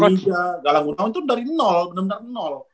malah indonesia galanggunawan itu dari nol bener bener nol